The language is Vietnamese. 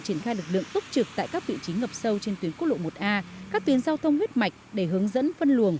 triển khai lực lượng túc trực tại các vị trí ngập sâu trên tuyến quốc lộ một a các tuyến giao thông huyết mạch để hướng dẫn phân luồng